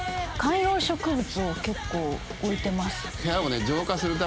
観葉植物を結構置いてます。